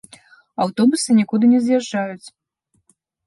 Аўтобусы нікуды не з'язджаюць.